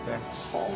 はあ。